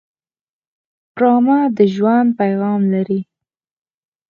ډرامه د ژوند پیغام لري